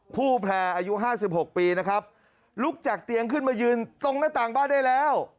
ผู้แพร่อายุ๕๖ปีนะครับลุกจากเตียงขึ้นมายืนตรงหน้าต่างบ้านได้แล้ว